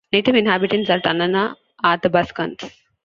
Native inhabitants are Tanana Athabaskans.